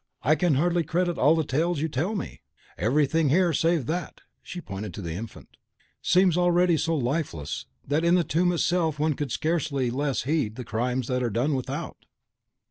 I can hardly credit all the tales you tell me. Everything here, save THAT," and she pointed to the infant, "seems already so lifeless, that in the tomb itself one could scarcely less heed the crimes that are done without."